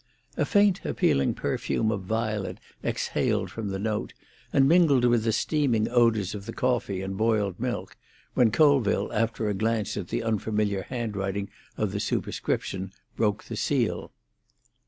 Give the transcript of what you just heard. A faint appealing perfume of violet exhaled from the note, and mingled with the steaming odours of the coffee and boiled milk, when Colville, after a glance at the unfamiliar handwriting of the superscription, broke the seal.